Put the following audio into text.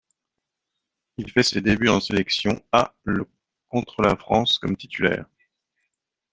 Il fait ses débuts en sélection A le contre la France, comme titulaire.